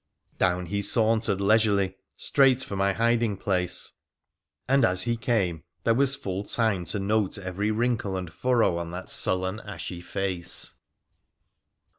Down he sauntered leisurely straight for my hiding place, and as he came there was full time to note every wrinkle and furrow on that sullen, ashy face